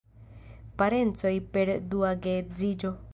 Parencoj per dua geedziĝo.